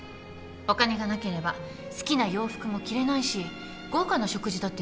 お金がなければ好きな洋服も着れないし豪華な食事だってできないんだから。